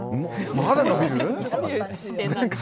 まだ伸びる？